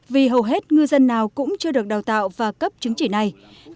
vì hầu hết ngư dân nào cũng chưa được đào tạo và cấp chứng chỉ này